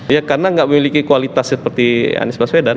ya karena nggak memiliki kualitas seperti anies baswedan